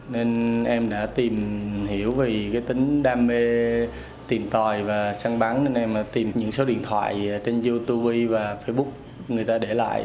nên em đã tìm hiểu về cái tính đam mê tìm tòi và săn bắn nên em tìm những số điện thoại trên youtube và facebook người ta để lại